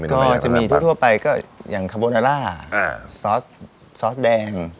ก็จะมีทั่วไปก็อย่างคาโบนาล่าซอสแดง